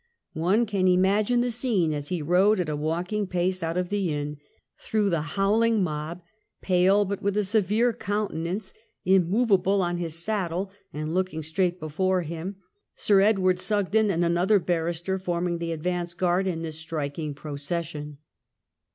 One can imagine the scene as he rode at a walking pace out of tiie Inn, through the howling mob, pale, but with a severe coun tenance, immovable on his saddle, and looking straight before him. Sir Edward Sugden and another barrister forming the advance guard in this striking procession.